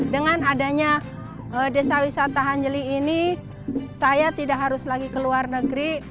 dengan adanya desa wisata hanjeli ini saya tidak harus lagi ke luar negeri